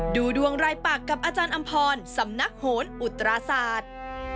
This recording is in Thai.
ดูดวงรายปากกับอาจารย์อำพรสำนักโหนอุตราศาสตร์